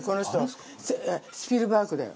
スピルバーグだよ。